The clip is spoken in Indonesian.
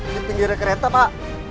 di pinggir kereta pak